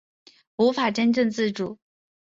无法真正自主